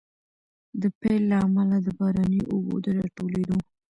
د پيل له امله، د باراني اوبو د راټولېدو